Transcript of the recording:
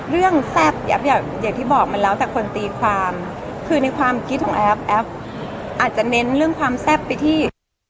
แซ่บแอฟอย่างที่บอกมันแล้วแต่คนตีความคือในความคิดของแอฟแอฟอาจจะเน้นเรื่องความแซ่บไปที่